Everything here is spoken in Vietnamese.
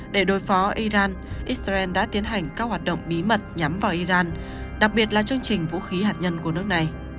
để đối phó iran israel đã tiến hành các hoạt động bí mật nhắm vào iran đặc biệt là chương trình vũ khí hạt nhân của nước này